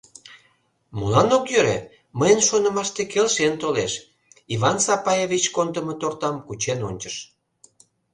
— Молан ок йӧрӧ, мыйын шонымаште келшен толеш, — Иван Сапаевич кондымо тортам кучен ончыш.